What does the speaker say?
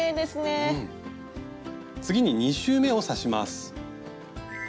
次に２周めを刺します。